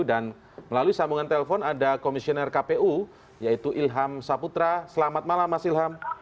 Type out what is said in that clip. dan melalui sambungan telepon ada komisioner kpu yaitu ilham saputra selamat malam mas ilham